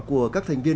của các thành viên